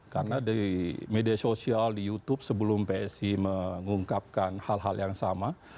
karena di media sosial di youtube sebelum psi mengungkapkan hal hal yang sama